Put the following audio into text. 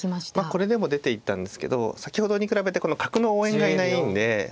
これでも出ていったんですけど先ほどに比べてこの角の応援がいないんでそれがどうかですね。